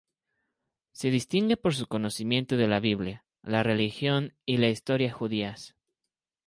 Se distingue por su conocimiento de la biblia, la religión y la historia judías.